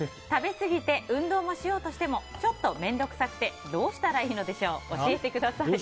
食べすぎて、運動しようとしてもちょっと面倒くさくてどうしたらいいのでしょう。